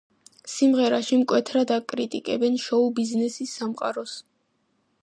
სიმღერაში მკვეთრად აკრიტიკებენ შოუ-ბიზნესის სამყაროს.